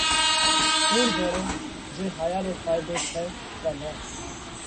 ڪُوڻ زوڻئه جي هايا رو ڦائيڌو ٿئه ڪا نان؟